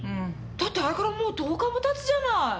だってあれからもう１０日もたつじゃない。